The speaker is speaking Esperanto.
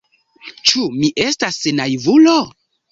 Ĉu mi estas naivulo?